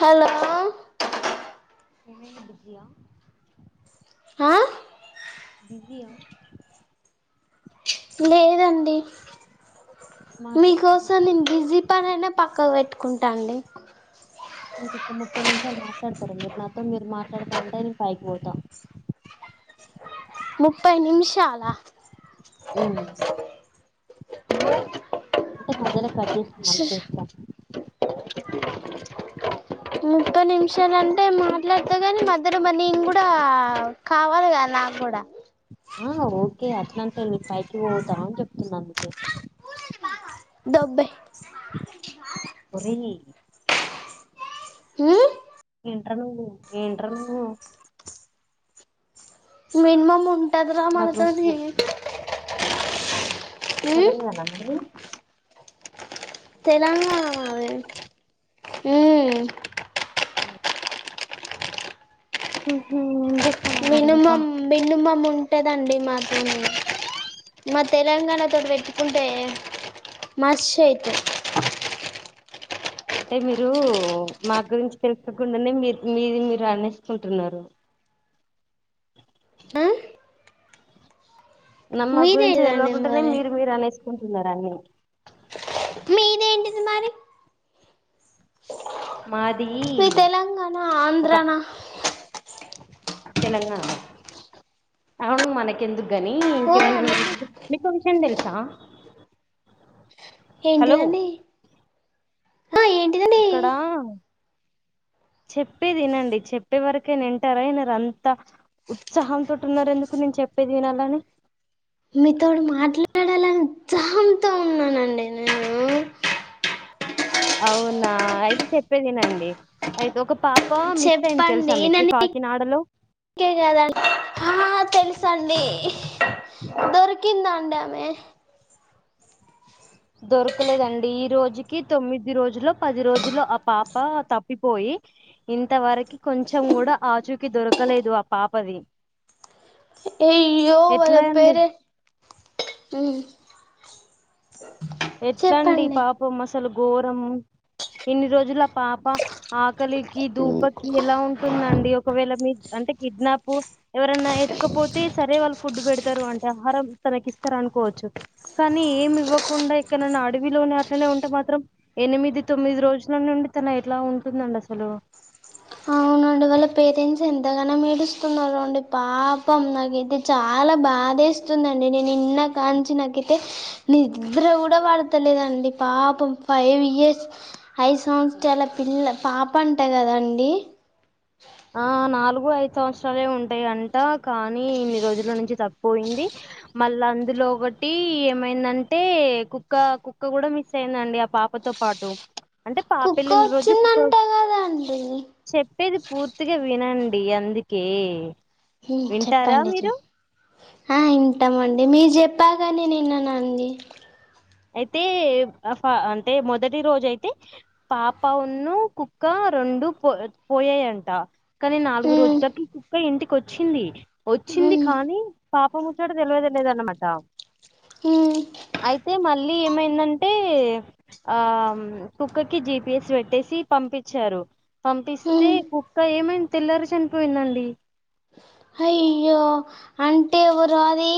Hello ఏమైంది busy ఆ ఆ బిజీ యా లేదండి మాట్లా మీకోసం నే బిజి పనైనా పక్క పెట్టుకుంటాండి ఇంకొక ముప్పై నిమిషాలు మాట్లాడతార మీరు నాతో మీరు మాట్లాడతనంటే నేను పైకి పోతా ముప్పై నిమిషాల ఆ ఉం అంటే మధ్యలో కట్ చేసి మళ్ళి చేస్తా ముప్పై నిమిషాలంటే మాట్లాడుత కానీ మధ్యలో మరి నేన్ కూడా కావాలి కదా నాకు కూడా ఆ ఓకే అట్లాంటలే నే పైకి పోతా అని చెప్తున్నా అందుకే దొబ్బెయ్ లాగండి బాగా ఒరేయ్ ఊ ఏంట్రా నువు ఏంట్రా నువ్వు మినిమమ్ ఉంటుంది రా నాకు రోజు మనతోని గు- ఉమ్ తెలంగాణ మనది తెలంగాణ మనది ఉం ఉహు చెప్ మినిమమ్ మినిమం ఉంటుందండి మాతోని మా తెలంగాణతోటి పెట్టుకుంటే మస్ ఐతరు ఒ అంటే మీరు మా గురించి తెలుసుకుండానే మీరు మీది మీరు అనేసుకుంటున్నారు. ఆ మా గురించి మీదేదండి తెల్వకుండానే మరి మీరు మీరు అనేసుకుంటున్నారు అన్నీ. మీదేంటి మరి? మాది మీ తెలంగాణ ఒక ఆంధ్రాన తెలంగాణ అవును మనకెందుకుగాని, ఓ ఇంకేమైనా విషయాలు మీకో విషయం తెలుసా? హలో ఏంటిదండి? ఆ ఏంటిదండి ఇక్కడ చెప్పేది వినండి చెప్పే వరకు వింటారా వినరా అంత ఉత్సాహంతో ఉన్నారు ఎందుకు నేను చెప్పేది వినాలని. మీతోడి మాట్లాడాలని ఉత్సాహం తో ఉన్నానండి నేను. అవునా అయితే చెప్పేదినండి అయితే ఒక పాప మిస్ అయింది తెలుసా చెప్పండి మీకు నన్ను కాకినాడలో. కే కదండీ ఆ తెలుసు అండి దొరికిందండి ఆమె దొరకలేదండి. ఈ రోజుకి తొమ్మిది రోజులో పది రోజులో ఆ పాప తప్పిపోయి ఇంతవరకి కొంచెం కూడా ఆచూకి దొరకలేదు ఆ పాపది. అయ్యో వల్ల ఎట్లా అండి పేరెంట్స్ చెప్పండి మసలు ఘోరము ఇన్ని రోజుల ఆ పాప ఆకలికి ధూపకి ఎలా ఉంటుందండి? ఒకవేళ మీ అంటే కిడ్నాప్ ఎవరైనా ఎత్తుకపోతే సరే వాళ్ళు ఫుడ్ పెడతారు అంట వ్యహారం తనకిస్తార అనుకోవచ్చు. కానీ ఏమి ఇవ్వకుండా ఎక్కడైనా నా అడవిలోనే అట్లనే ఉంటే మాత్రం ఎనిమిది, తొమ్మిది రోజుల నుండి తన ఎలా ఉంటుందండి అసలు తన వాళ్ళ పేరెంట్స్ ఎంతగానో ఏడుస్తున్నారో అండి పాపం నాకైతే చాలా బాదేస్తుంది. అండి. నేను విన్న కాంచి నాకైతే నిద్ర కూడా పడతలేదండి పాపం ఫైవ్ ఇయర్స్ ఐదు సంవత్సరాల పిల్ల పాప అంటా కదాండి. [inaudible] ఆ నాలుగు ఐదు సంవత్సరాలే ఉంటాయి అంట. కానీ ఇన్ని రోజుల నుంచి తప్పు పోయింది. మళ్ళా అందులో ఒకటి ఏమైందంటే కుక్క కూడా మిస్ అయిందండి ఆ పాపతో పాటు అంటే కుక్క పాపాయెల్లిన రోజు కుక్క వచ్చిందంట కదండి చెప్పేది పూర్తిగా వినండి అందుకే హు వింటారా చెప్పండి నిజం మీరు వింటామండి. మీరు చెప్పాలగాని నేను విననా అండి? అయితే అంటే మొదటి రోజు అయితే పాపను, కుక్క రెండు పోయాయంట. కానీ నాలుగు ఉమ్, రోజులకి కుక్క ఇంటికి వచ్చింది. వచ్చింది ఉమ్, కానీ పాప ముచ్చోట తెలివనేే తెల్వదన్నమాట. మ్ అయితే మళ్ళీ ఏమైందంట? ఆ కుక్కకి జిపిఎస్ పెట్టేసి పంపించారు. పంపిస్తే ఉమ్. కుక్క ఏమంది తెల్లారే చనిపోయిందండి. అయ్యో అంటే ఎవరో అది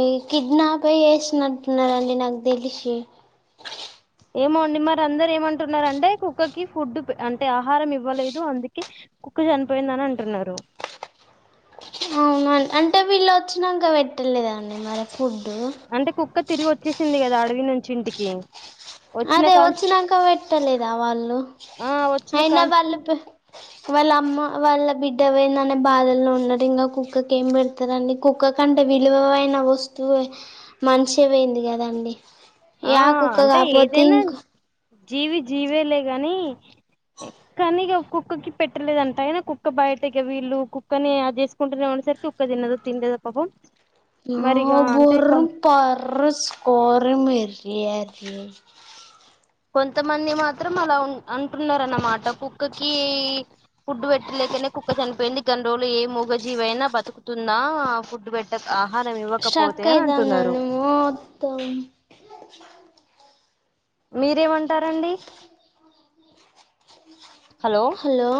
ఈ కిడ్నాపే చేసినట్టున్నారండి నాకు దెలిసి ఏమో అండి మరి అందరూ ఏమంటున్నారంటే కుక్కకి ఫుడ్ అంటే ఆహారం ఇవ్వలేదు అందుకే కుక్క చనిపోయింది అని అంటున్నారు అంటే వీళ్ళు వచ్చినాంక పెట్టలేదండి మరి ఫుడ్ అంటే కుక్క తిరిగి వచ్చేసింది కదా అడవి నుంచి ఇంటికి వచ్చిన అదే కా వచ్చినాంక పెట్టలేదా వాళ్ళు ఆ వచ్చిన అయినా కాంచి వాళ్ళు పె వాళ్ళ అమ్మ వాళ్ళ బిడ్డవొయిననే బాధల్లో ఉన్నది ఇంక కుక్కకి ఏం పెడు తదండి కుక్క కంటే విలువ వైన వస్తువే మనిషే పోయింది కదండి యా కుక్కగా దేనా జీవి జీవేలే కానీ కానీ ఇగ కుక్కకి పెట్టలేదంట అయినా కుక్క బయటకి వీళ్ళు కుక్కనే అది చేస్ కుంటనేమో అనే సరికి కుక్క తినదు తిండేదే పాపం మరిగా అంటే కొ [unintelligible] కొంతమంది మాత్రం అలా ఉన్ అంటున్నారు అన్నమాట కుక్కకి ఫుడ్ పెట్టలేకనే కుక్క చనిపోయింది గన్ని రోజులు ఏ మూగజీవి అయినా బతుకుతుందా ఫుడ్ పెట్ ట్టక్ ఆహారం ఇవ్వకపోతే అని అంటున్నారు మోత్తం మీరేం అంటారండి హలో హలో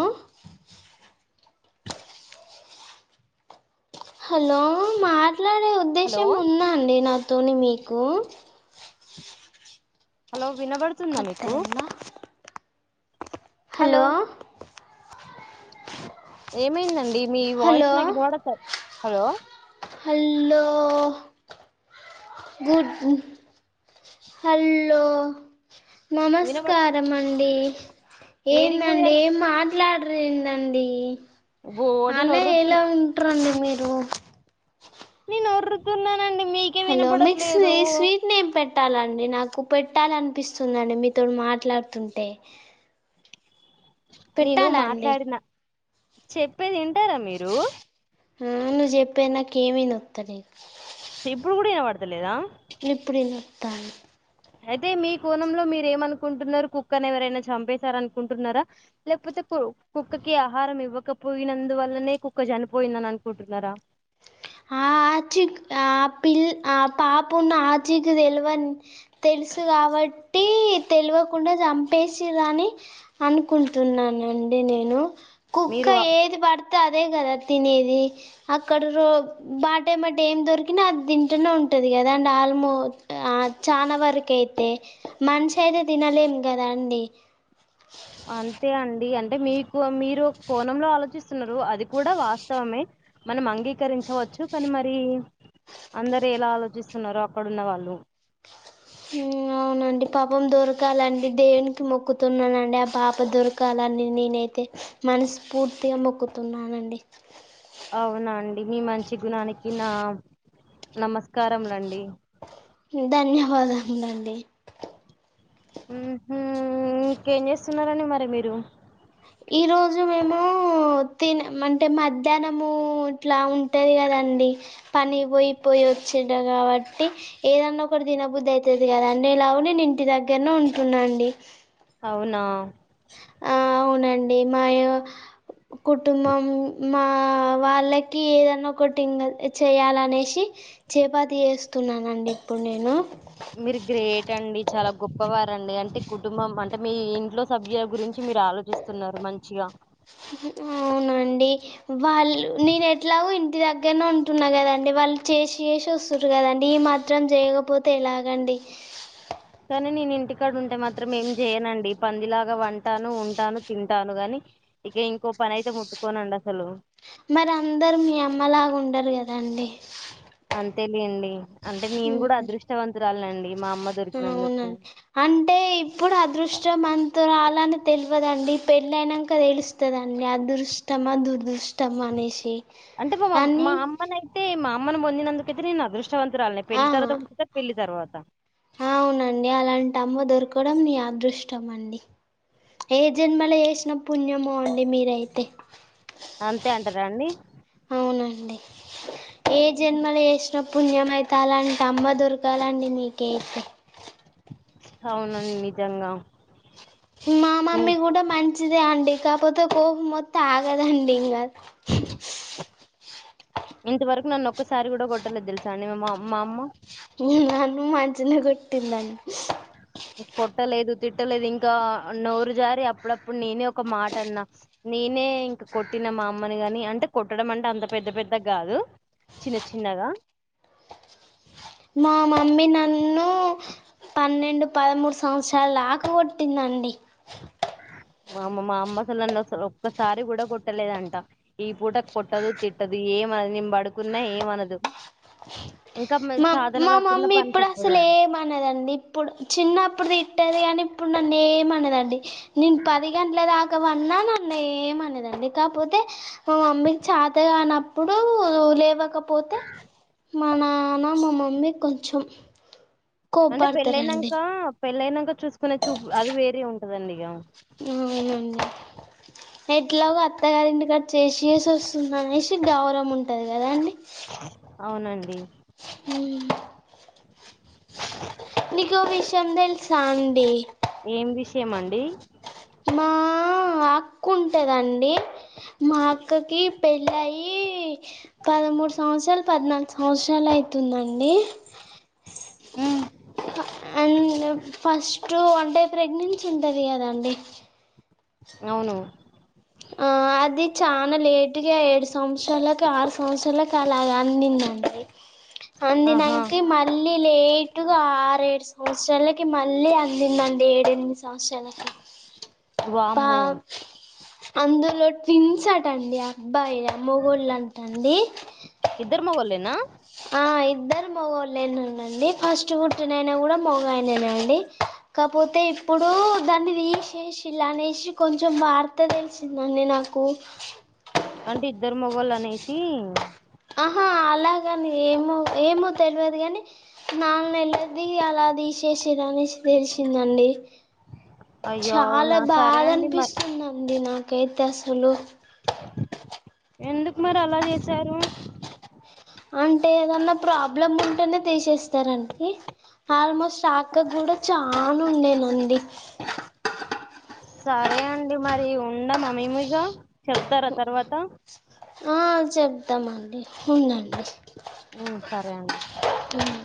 హలో మాట్లాడే హలో ఉద్దేశం ఉందా అండి నాతోని మీకు హలో వినబడుతుందా కట్ మీకు అయిందా హలో ఏమైందండి మీ వాయిస్ నాకు ఇనవడత హలో హల్లో గుడ్ హల్లో వినబ నమస్కారం అండి ఏడికి ఏందండి పోయారు ఏం మాట్ ట్లాడరేందండి బోడిని అలా ఒర్రుతు ఎలా ఉంట్రండి మీరు నేను ఒర్రుతున్నానండి మీ హలో మిక్స్ వీ స్వీ నేను పెట్టాలండి నాకు పెట్టాలన్పిస్తుందండి మీతోడు మాట్లాడుతుంటే నేను పెట్టాలా అండి మాట్లాడినా చెప్పేది వింటారా మీరు ఊ నువ్వు చెప్పేది నాకేం వినొత్తలే ఇప్పుడు కూడా ఇనపడతలేదా ఇప్పుడు ఇనొత్తాంది అయితే మీ కోణంలో మీరు ఏమనుకుంటున్నారు కుక్కని ఎవరైనా చంపేశారనుకుంటున్నారా లేపోతే కు కుక్కకి ఆహారం ఇవ్వకపోయినందువల్లనే కుక్క చనిపోయిందని అనుకుంటున్నారా ఆ చిక్ ఆ పిల్ ఆ పాపున్ ఆచికు తెలవన్ తెలుసు కాబట్టి తెల్వకుండా చంపేసిర్రని అనుకుంటున్నానండి నేను కుక్క మీరు ఏది పడితే అదే కదా తినేది అక్కడ రో బాట ఏమ్మటే ఏం దొరికినా అది తింటూనే ఉంటది కదా అండి ఆల్మోట్ ఆ చానా వరకు అయితే మనిషి అయితే తినలేం కదా అండి అంతే అండి అంటే మీకు మీరు ఒక కోణంలో ఆలోచిస్తున్నరు అది కూడా వాస్తవమే మనం అంగీకరించవచ్చు కానీ మరి అందరూ ఎలా ఆలోచిస్తున్నారో అక్కడున్న వాళ్ళు ఉమ్ అవునండి పాపం దొరకాలండి దేవునికి మొక్కుతున్నానండి ఆ పాప దొర కాలాన్ని నేనైతే మనస్ఫూర్తిగా మొక్కుతున్నానండి అవునా అండి మీ మంచి గుణానికి నా నమస్కారంలండి ధన్యవాదములండి ఊ ఇంకేం చేస్తున్నారండి మరి మీరు ఈ రోజు మేము తిన అంటే మధ్యాహ్నము ఇట్లా ఉంటది కదండి పని పోయిపోయి వచింట కాబట్టి ఏదన్నా ఒకటి దినబుద్ధి అవుతది కదా అండి ఎలాగ నేను ఇంటి దగ్గరనే ఉంటున్నా అండి అవునా ఆ అవునండి మాయ కుటుంబం మా వాళ్ళకి ఏదనా ఒకటింగ చేయాలనేసి చేపాతి ఏస్తున్నానండి ఇప్పుడు నేను మీరు గ్రేట్ అండి చాలా గొప్పవారం అండి అంటే కుటుంబం అంటే మీ ఇంట్లో సభ్యుల గురించి మీరు ఆలోచిస్త స్తున్నారు మంచిగా అవునండి వాళ్ళు నేను ఎట్లాగో ఇంటి దగ్గరనే ఉంటున్నా కదండి వాళ్ళు చేసి చేసి వస్తురు కదండి ఈ మ త్రం చేయకపోతే ఎలాగండి కానీ నేను ఇంటికాడ ఉంటే మాత్రం ఏం చేయనండి పందిలాగా వంటాను ఉంటాను తింటాను గాని ఇక ఇంకో పని అయితే ముట్టుకోనండి అసలు మరి అందరు మీ అమ్మలాగా ఉండరు కదాండి అంతేలెండి అంటే నేను కూడా అదృష్టవంతురాలు అండి మా అమ్మ అవున దొరికినందుకు అంటే ఇప్పుడు అదృష్టం అతురాలని తెలియదండి పెళ్ళ అయినాక తెలుస్తు స్త దండి అదృష్టమా దురదృష్టమా అనేసి అంటే మా మా అని అమ్మన అయితే మా అమ్మను పొందినందుకైతే నేను అదృష్ క్షవతురాలినే ఆ పెళ్లి తర్తంటు పెళ్లి తర్వాత అవునండి అలాంటి అమ్మ దొరకడం మీ అదృష్టం అండి ఏ జన్మలో ఏసిన పుణ్యమో అండి మీరైతే అంతే అంటారా అండి అవునండి ఏ జన్మల ఏసినా న పుణ్యమైతె అంలాంటి అమ్మ దొరకలండి మీకి అవునండి నిజంగా మా ఇన్ మమ్మీ కూడా మంచిదే అండి కాకపోతే కోపం మొత్తం ఆగదండి ఇంకా ఇంతవరకు నన్ను ఒక్కసారి కూడా కొట్టలేదు తెలుసా అండి మా మా అమ్మ నను మంచనే కొటిందండి కొట్టలేదు తిట్టలేదు ఇంకా నోరు జారి అప్పుడప్పుడు నేనే ఒక మాట అన్నా నేనే ఇంక కొట్టిన మా అమని గాని అంటే కొట్టడం అంటే అంత పెద్ద పెద్ద కాదు చిన్న చిన్నగా మా మమ్మీ నన్ను పన్నెండు పదమూడు సంవత్సరాలు దాక కొట్టిందండి వామ్మో మా అమ్మ అసల ననసలు ఒక్కసారి కూడా కొట్టలేదంట ఈ పూట కొట్టదు తిట్టదు ఏమనదు నేన్ బడుకున్నా ఏమనదు ఇంకా మీరు మా సాధన మా కాకుండా మమ్మీ పని ఇప్పుడు అసలు చెప్పదండి ఏమనదండి ఇప్పుడు చిన్నప్పుడు తిట్టేది కానీ ఇప్పుడు నన్ను ఏమనదండి నేను పది గంటల దాకా వన్నా నన్ ఏమనదండి కాపోతే మా మమ్మీకి చాతగానప్పుడు లేవక పోతే, మా నాన్న మా మమ్మీ కొంచెం. అంటే పెళ్ళయినాక కోప్పడతారండి పెళ్ళయినాక చూసుకునే చూపు అది వేరే ఉంటాదండిఇక. మ్, ఎట్లాగు అత్తగారింటి ఇంటి కాడ చేసిచేసి వస్తుందనేసీ గౌరవం ఉంటాది కదా అండి? అవునండి. మ్ నీకో విషయం తెలుసా అండి? ఏం విషయం అండి? మా అక్క ఉంటాదండి మాఅక్కకి పెళ్ళి అయ్యి పదమూడు సంవత్సరాలు, పద్నాలుగు సంవత్సరాలు అవుతుందండి. ఉమ్, అండ్ ఫస్ట్ టు అంటే ప్రెగ్నెన్సీ ఉంటాది కదా అండి? అవును ఆ అది చాలా లేటుగా ఏడు సంవత్సరాలకు, ఆరు సంవత్సరాలకు అలాగ అందిందండి. అంది ఆహా నాకి మరి మళ్ళీ లేటుగా ఆరు ఏడు సంవత్సరాలకి మళ్ళీ అందిందండి. ఏడెనిమిది సంవత్సరాలకి. పా వామ్మో అందులో ట్విన్స్ అటండి అబ్బాయిలు మొగోల్లటండి. ఇద్దరు మొగోల్లేనా? ఆ ఇద్దరు మగవాళ్ళెనండి. ఫస్ట్ పుట్టిన ఆయన కూడా మగాయనేనండి. కాకపోతే ఇప్పుడు దాన్ని రీచ్ చేసిలా అనేసి కొంచెం వార్త తెలిసిందండి నాకు. కు అంటే ఇద్దరు మొగోళ్ళు అనేసి ఆహా! అలాగని ఏమో, ఏమో తెలవదు కానీ నాలుగు నెలలది అలా తీసేసిరి అనేసి తెలిసిందండి. అయ్యో చాలా అవునా సరే బాధ అండి మరి అనిపిస్తుందండి నాకైతే అసలు. ఎందుకు మరి అలా చేసారు? అంటే ఏదన్నా ప్రాబ్లమ్ ఉంటేనే తీసేస్తారా అండి? ఆల్మోస్ట్ ఆ అక్క కూడా చానుండేనండి. సరే అండి మరి ఉండమా మేమిగ, చెప్తారా తర్వాత. ఆ చెప్తామండి, ఉండండి. మ్ సరే అండి. హు